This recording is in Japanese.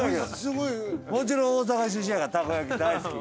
もちろん大阪出身やからたこ焼き大好き。